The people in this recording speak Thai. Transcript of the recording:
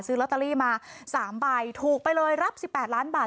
ลอตเตอรี่มา๓ใบถูกไปเลยรับ๑๘ล้านบาท